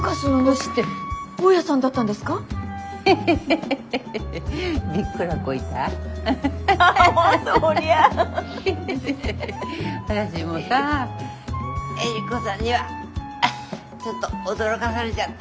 私もさエリコさんにはちょっと驚かされちゃった。